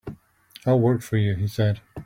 "I'll work for you," he said.